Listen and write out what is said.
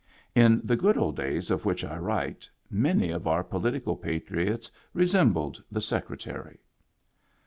In the good old days of which I write, many of our political patriots resembled the Secretary.